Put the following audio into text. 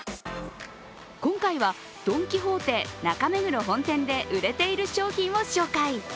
今回はドン・キホーテ中目黒本店で売れている商品を紹介。